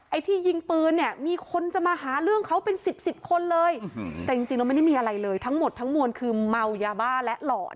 ไอ้ที่ยิงปืนเนี่ยมีคนจะมาหาเรื่องเขาเป็นสิบสิบคนเลยแต่จริงเราไม่ได้มีอะไรเลยทั้งหมดทั้งมวลคือเมายาบ้าและหล่อ